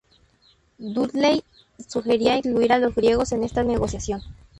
Dudley sugería incluir a los griegos en esta negociación.